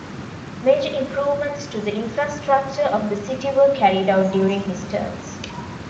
Major improvements to the infrastructure of the city were carried out during his terms.